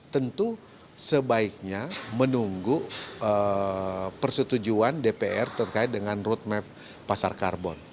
tentu sebaiknya menunggu persetujuan dpr terkait dengan roadmap pasar karbon